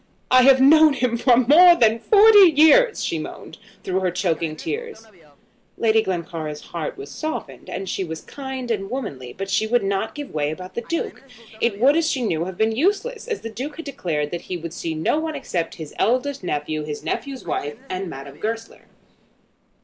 "I have known him for more than forty years," she moaned, through her choking tears. Lady Glencora's heart was softened, and she was kind and womanly; but she would not give way about the Duke. It would, as she knew, have been useless, as the Duke had declared that he would see no one except his eldest nephew, his nephew's wife, and Madame Goesler.